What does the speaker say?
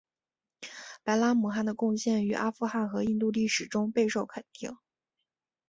白拉姆汗的贡献于阿富汗和印度历史中备受肯定。